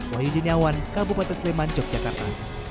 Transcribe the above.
wahidin yawan kabupaten sleman yogyakarta